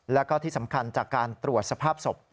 แล้วก็ที่สำคัญจากการตรวจสภาพศพ